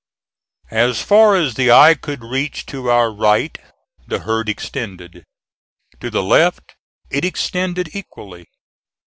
As far as the eye could reach to our right, the herd extended. To the left, it extended equally.